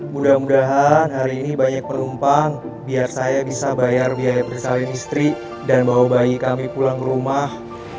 mudah mudahan hari ini banyak penumpang biar saya bisa bayar biaya bersama dengan istri dan bawa bayi kami pulang ke rumah